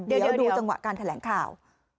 เดี๋ยวดูจังหวะการแถลงข่าว